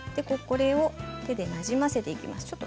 これを手でなじませていきます。